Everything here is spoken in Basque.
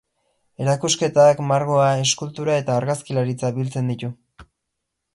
Erakusketak, margoa, eskultura eta argazkilaritza biltzen ditu.